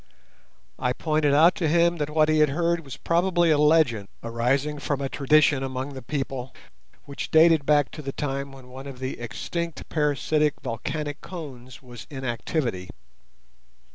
I pointed out to him that what he had heard was probably a legend arising from a tradition among the people which dated back to the time when one of the extinct parasitic volcanic cones was in activity.